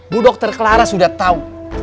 bu dr clara sudah tahu